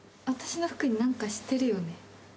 私の服に何かしてるよね？